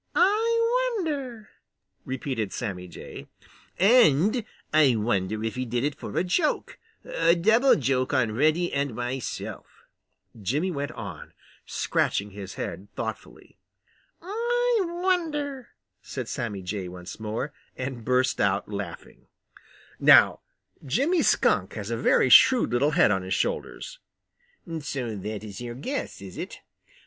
"I wonder," repeated Sammy Jay. "And I wonder if he did it for a joke, a double joke on Reddy and myself," Jimmy went on, scratching his head thoughtfully. "I wonder," said Sammy Jay once more, and burst out laughing. Now Jimmy Skunk has a very shrewd little head on his shoulders. "So that is your guess, is it?